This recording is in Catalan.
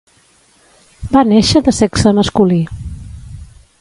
Va néixer de sexe masculí.